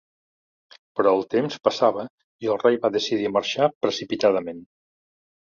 Però el temps passava i el rei va decidir marxar precipitadament.